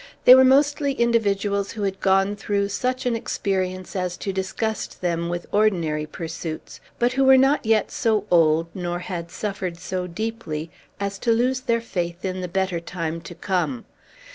They were mostly individuals who had gone through such an experience as to disgust them with ordinary pursuits, but who were not yet so old, nor had suffered so deeply, as to lose their faith in the better time to come.